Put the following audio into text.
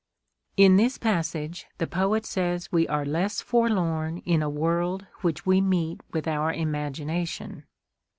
In this passage the poet says we are less forlorn in a world which we meet with our imagination.